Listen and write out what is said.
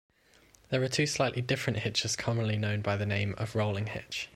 There are two slightly different hitches commonly known by the name of "rolling hitch".